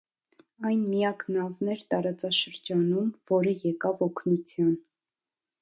Այն միակ նավն էր տարածաշրջանում, որը եկավ օգնության։